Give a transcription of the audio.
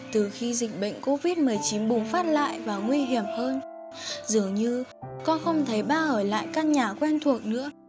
từ khi dịch bệnh covid một mươi chín bùng phát lại và nguy hiểm hơn dường như con không thấy ba ở lại các nhà quen thuộc nữa